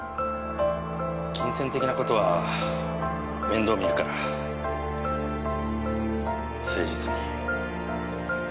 金銭的なことは面倒見るから誠実に。